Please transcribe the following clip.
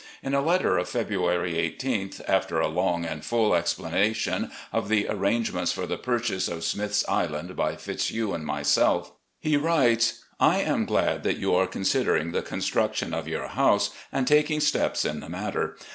In a letter of February i8th, after a long and full explanation of the arrangements for the purchase of Smith's Island by Fitzhugh and myself, he writes: . I am glad that you are considering the construction of yom: house and taking steps in the matter.